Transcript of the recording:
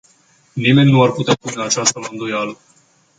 Nimeni nu ar putea pune aceasta la îndoială.